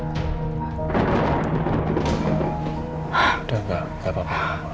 udah gak apa apa